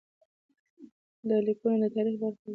دا لیکونه د تاریخ برخه دي.